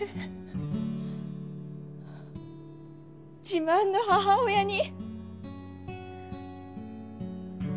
自慢の母親に。